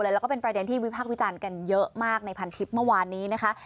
แล้วก็เป็นประเด็นที่วิพากษ์วิจารณ์กันเยอะมากในพันทิพย์เมื่อวานนี้นะคะ